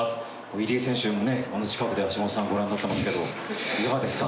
入江選手もねこんな近くで橋本さんをご覧になってますけどいかがですか？